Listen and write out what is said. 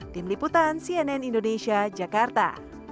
tim liputan cnn indonesia jakarta